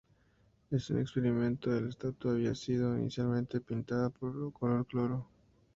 En un experimento, la estatua había sido inicialmente pintada color oro.